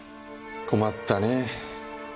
困ったねぇ。